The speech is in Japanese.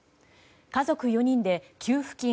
家族４人で給付金